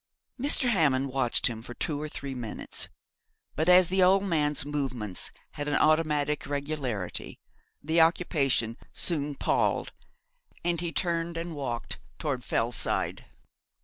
Mr. Hammond watched him for two or three minutes, but, as the old man's movements had an automatic regularity, the occupation soon palled, and he turned and walked toward Fellside.